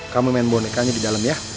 kamu main bonekanya di dalam ya